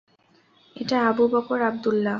এটা Abu Bakr Abdullah!